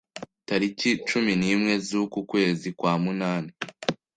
Tariki cumi nimwe z'uku kwezi kwa munani,